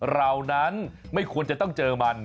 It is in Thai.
เรานั้นไม่ควรจะต้องเจอมัน